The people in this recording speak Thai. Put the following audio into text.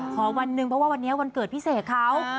ขอวันหนึ่งเพราะวันนี้วันเกิดพิเศษเขา